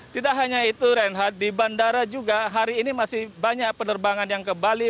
tidak hanya itu reinhardt di bandara juga hari ini masih banyak penerbangan yang ke bali